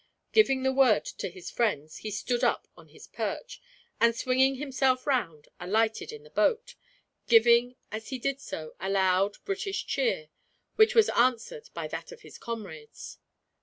Giving the word to his friends, he stood up on his perch and, swinging himself round, alighted in the boat; giving as he did so a loud British cheer, which was answered by that of his comrades.